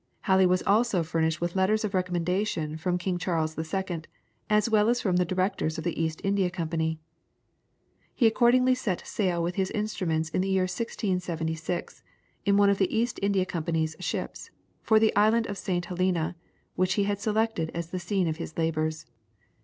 Halley was also furnished with letters of recommendation from King Charles II., as well as from the directors of the East India Company. He accordingly set sail with his instruments in the year 1676, in one of the East India Company's ships, for the island of St. Helena, which he had selected as the scene of his labours.